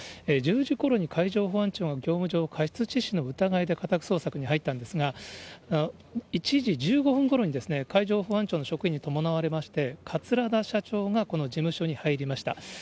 １０時ころに海上保安庁が業務上過失致死の疑いで家宅捜索に入ったんですが、１時１５分ごろに、海上保安庁の職員に伴われまして、桂田社長が、この事務所に入りました。